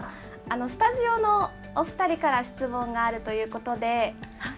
スタジオのお２人から質問があるということで。